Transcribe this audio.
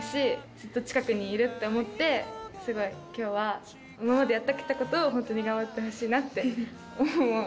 ずっと近くにいるって思って今日は今までやって来たことを本当に頑張ってほしいなって思う。